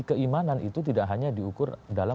keimanan itu tidak hanya diukur dalam